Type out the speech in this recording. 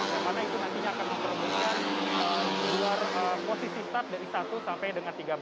karena itu nantinya akan memperolehkan posisi start dari satu sampai dengan tiga belas